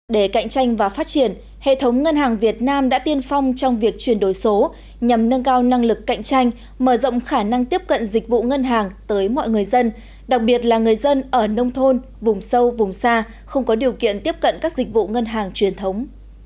để cạnh tranh và phát triển hệ thống ngân hàng việt nam đã tiên phong trong việc chuyển đổi số nhằm nâng cao năng lực cạnh tranh mở rộng khả năng tiếp cận dịch vụ ngân hàng tới mọi người dân đặc biệt là người dân ở nông thôn vùng sâu vùng xa không có điều kiện tiếp cận các dịch vụ ngân hàng truyền thống